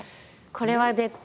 これは絶対！